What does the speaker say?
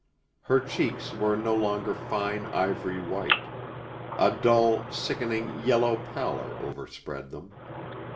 Her cheeks were no longer fine ivory white; a dull, sickening, yellow pallor overspread them.